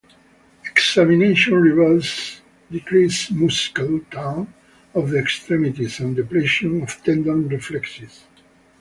Examination reveals decreased muscle tone of the extremities and depression of tendon reflexes.